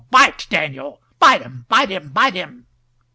Bite Daniel.Bite him. Bite him. Bite him."